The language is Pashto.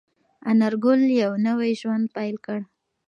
انارګل یو نوی ژوند پیل کړ.